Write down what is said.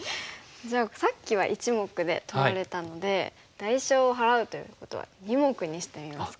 じゃあさっきは１目で取られたので代償を払うということは２目にしてみますか。